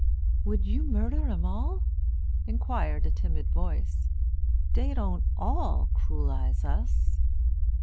"Would you murder 'em all?" inquired a timid voice. "Dey don't all cruelize us."